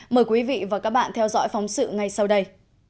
mời quý vị và các bạn theo dõi phóng sự ngay sau đây